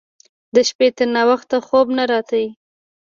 د شپې تر ناوخته خوب نه راته.